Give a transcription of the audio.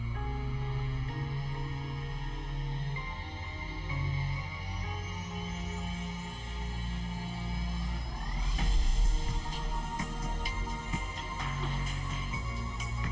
pemulangan jadwal tadulako